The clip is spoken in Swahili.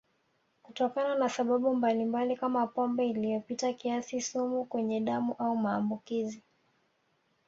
Kutokana na sababu mbalimbali kama pombe iliyopita kiasi sumu kwenye damu au maambukizi